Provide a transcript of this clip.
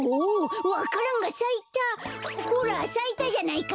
ほらさいたじゃないか